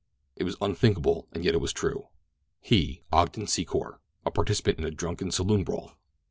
It was unthinkable, and yet it was true—he, Ogden Secor, a participant in a drunken, saloon brawl!